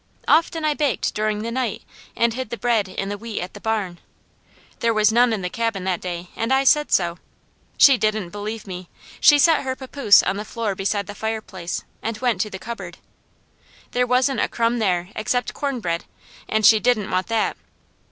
Often I baked during the night and hid the bread in the wheat at the barn. There was none in the cabin that day and I said so. She didn't believe me. She set her papoose on the floor beside the fireplace, and went to the cupboard. There wasn't a crumb there except cornbread, and she didn't want that.